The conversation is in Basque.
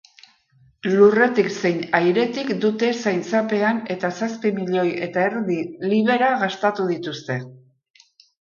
Lurretik zein airetik dute zaintzapean eta zazpi milioi eta erdi libera gastatu dituzte.